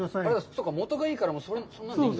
そうか、もとがいいから、そんなんでいいんだ。